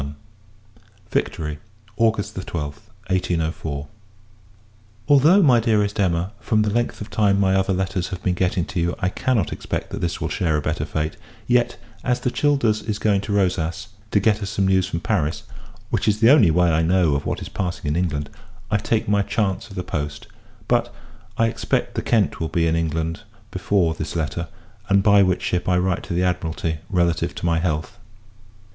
LETTER LI. Victory, August 12th, 1804. Although, my Dearest Emma, from the length of time my other letters have been getting to you, I cannot expect that this will share a better fate; yet, as the Childers is going to Rosas, to get us some news from Paris which is the only way I know of what is passing in England I take my chance of the post: but, I expect the Kent will be in England before this letter; and by which ship I write to the Admiralty relative to my health.